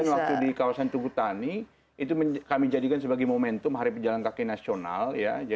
waktu di kawasan tugutani itu kami jadikan sebagai momentum hari pejalan kaki nasional